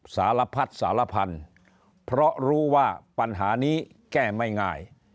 สารพัดสารพันธุ์เพราะรู้ว่าปัญหานี้แก้ไม่ง่าย